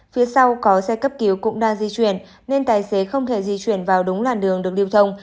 phía sau có xe cấp cứu cũng đang di chuyển nên tài xế không thể di chuyển vào đúng làn đường được lưu thông